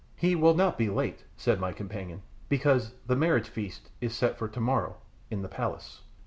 "He will not be late," said my companion, "because the marriage feast is set for tomorrow in the palace."